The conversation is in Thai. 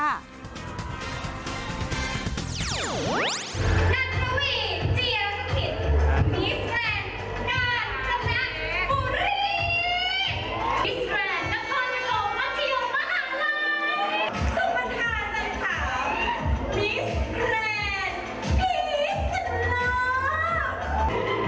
นักลวิทย์เจียงศักดิ์สิทธิ์มิสแครนด์งานสำนักภูมิ